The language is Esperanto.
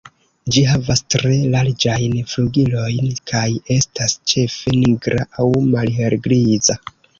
Ĝi havas tre larĝajn flugilojn, kaj estas ĉefe nigra aŭ malhelgriza.